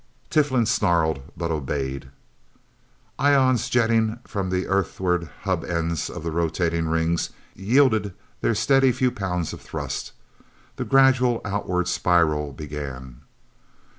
Tiflin snarled but obeyed. Ions jetting from the Earthward hub ends of the rotating rings, yielded their steady few pounds of thrust. The gradual outward spiral began.